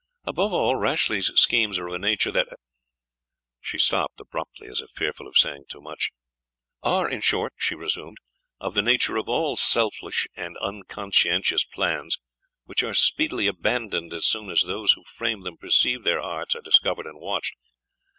Above all, Rashleigh's schemes are of a nature that" (she stopped abruptly, as if fearful of saying too much) "are, in short," she resumed, "of the nature of all selfish and unconscientious plans, which are speedily abandoned as soon as those who frame them perceive their arts are discovered and watched.